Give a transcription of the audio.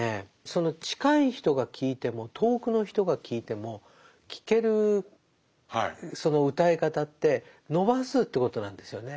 その近い人が聴いても遠くの人が聴いても聴けるその歌い方って伸ばすということなんですよね。